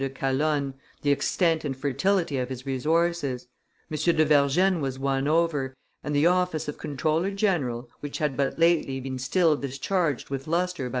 de Calonne, the extent and fertility of his resources; M. de Vergennes was won over, and the office of comptroller general, which had but lately been still discharged with lustre by M.